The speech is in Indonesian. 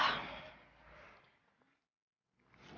warung itu tuh selain menghidupi keluarga aku